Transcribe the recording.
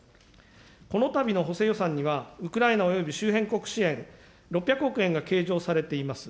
このたびの補正予算には、ウクライナおよび周辺国支援、６００億円が計上されています。